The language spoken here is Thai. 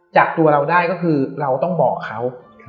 จับตัวเราได้ก็คือเราต้องบอกเขา